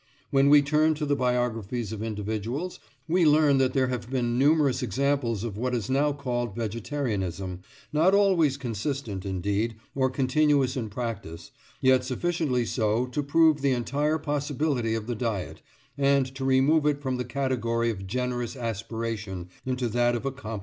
When we turn to the biographies of individuals, we learn that there have been numerous examples of what is now called "vegetarianism"—not always consistent, indeed, or continuous in practice, yet sufficiently so to prove the entire possibility of the diet, and to remove it from the category of generous aspiration into that of accomplished fact.